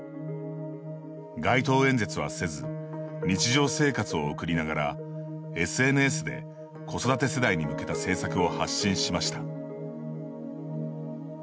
街頭演説はせず日常生活を送りながらＳＮＳで子育て世代に向けた政策を発信しました。